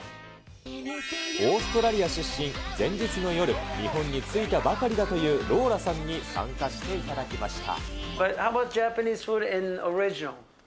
オーストラリア出身、前日の夜、日本に着いたばかりだというローラさんに参加していただきました。